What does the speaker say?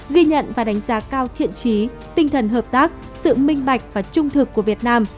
ghi nhận và đánh giá cao thiện trí tinh thần hợp tác sự minh bạch và trung thực của việt nam